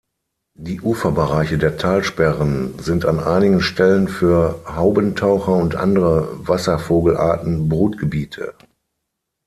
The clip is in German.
Die Uferbereiche der Talsperren sind an einigen Stellen für Haubentaucher und andere Wasservogelarten Brutgebiete.